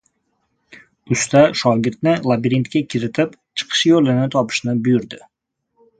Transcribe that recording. Usta shogirdini labirintga kiritib, chiqish yoʻlini topishni buyurdi.